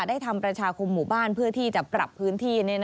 ทำประชาคมหมู่บ้านเพื่อที่จะปรับพื้นที่